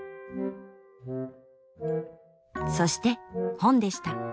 そして「本」でした。